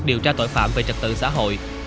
điều tra tội phạm về trật tự xã hội